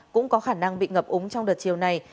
cũng có khả năng bị ngập úng trong đợt chiều này